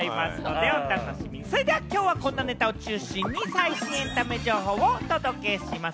それではきょうは、こんなネタを中心に最新エンタメ情報をお届けします。